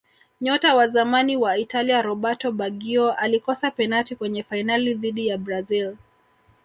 nyota wa zamani wa Italia roberto baggio alikosa penati kwenye fainali dhidi ya brazil